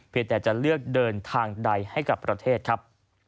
จะเลือกเดินทางใดให้กับประเทศครับ